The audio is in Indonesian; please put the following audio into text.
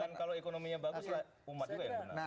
dan kalau ekonominya bagus lah umat juga yang benar